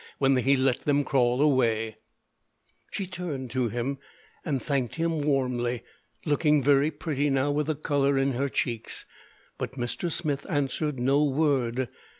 When he let them crawl away, she turned to him and thanked him warmly, looking very pretty now, with the color in her cheeks. But Mr. Smith answered no word.